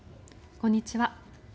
こんにちは。